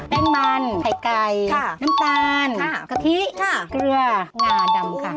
แป้งมันไข่ไก่น้ำตาลกะทิเกลืองาดำค่ะ